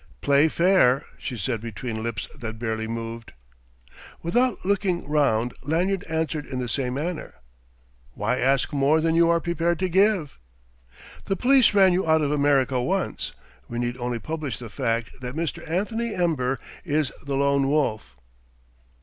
"Play fair," she said between lips that barely moved. Without looking round Lanyard answered in the same manner: "Why ask more than you are prepared to give?" "The police ran you out of America once. We need only publish the fact that Mr. Anthony Ember is the Lone Wolf...."